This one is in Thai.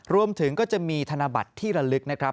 รวมถึงก็จะมีธนบัตรที่ระลึกนะครับ